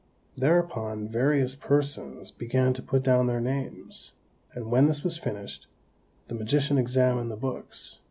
Thereupon various persons began to put down their names, and when this was finished, the magician examined the books.